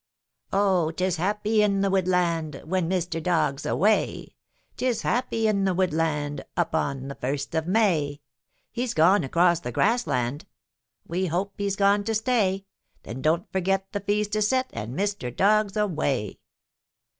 Oh, 'tis happy in the woodland When Mr. Dog's away; 'Tis happy in the woodland Upon the first of May. He's gone across the grassland We hope he's gone to stay; Then don't forget the feast is set And Mr. Dog's away.